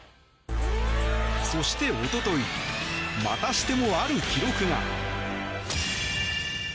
そして一昨日またしても、ある記録が。